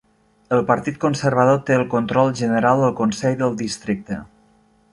El Partit Conservador té el control general del consell del districte.